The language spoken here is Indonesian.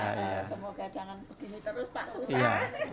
semoga jangan begini terus pak susah